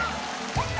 やった？